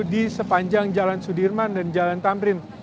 di sepanjang jalan sudirman dan jalan tamrin